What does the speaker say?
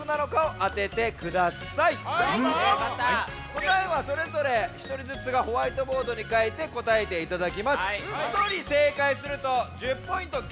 こたえはそれぞれひとりずつがホワイトボードにかいてこたえていただきます。